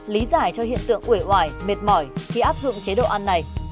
lý giải cho hiện tượng quể hoài mệt mỏi khi áp dụng chế độ ăn này